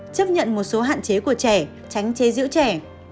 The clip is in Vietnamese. chấp nhận một số hạn chế của trẻ tránh chế giữ trẻ